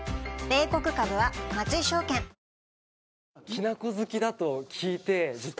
きな粉好きだと聞いて実は。